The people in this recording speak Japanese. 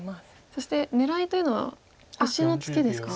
そして狙いというのは星のツケですか？